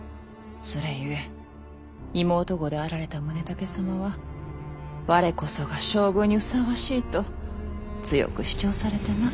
それゆえ妹御であられた宗武様は我こそが将軍にふさわしいと強く主張されてな。